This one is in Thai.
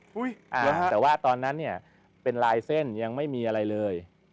แต่ว่าตอนนั้นเนี่ยเป็นลายเส้นยังไม่มีอะไรเลย